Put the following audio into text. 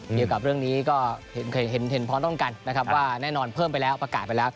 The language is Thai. เกี่ยวกับเรื่องนี้ก็เห็นพร้อมต้องกันนะครับว่าแน่นอนเพิ่มไปแล้วประกาศไปแล้ว